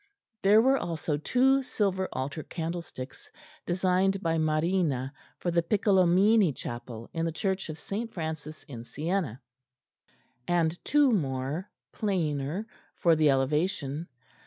There were also two silver altar candlesticks designed by Marrina for the Piccolomini chapel in the church of St. Francis in Siena; and two more, plainer, for the Elevation.